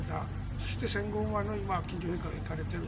そして戦後生まれの今上陛下が行かれている。